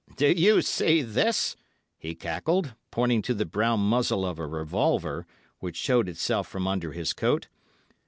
'Do you see this?' he cackled, pointing to the brown muzzle of a revolver, which showed itself from under his coat.